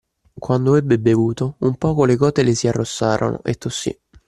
Quando ebbe bevuto, un poco le gote le si arrossarono e tossì.